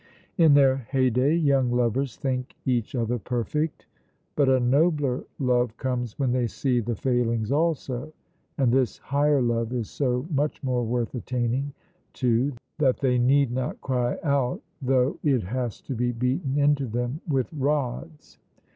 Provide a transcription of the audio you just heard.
In their heyday young lovers think each other perfect; but a nobler love comes when they see the failings also, and this higher love is so much more worth attaining to that they need not cry out though it has to be beaten into them with rods.